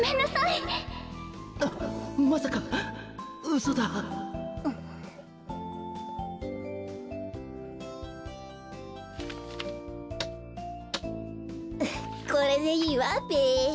ウフッこれでいいわべ。